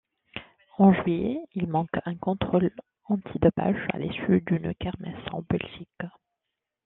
En juillet, il manque un contrôle antidopage à l'issue d'une kermesse en Belgique.